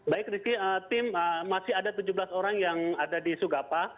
baik rizky tim masih ada tujuh belas orang yang ada di sugapa